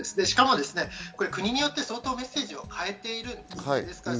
しかも国によって相当メッセージを変えているんです。